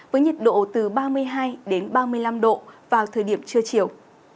với nhiệt độ từ ba mươi hai ba mươi năm độ vào thời điểm trưa chiều